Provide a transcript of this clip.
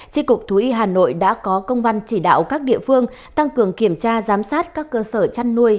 tri cục thú y hà nội đã có công văn chỉ đạo các địa phương tăng cường kiểm tra giám sát các cơ sở chăn nuôi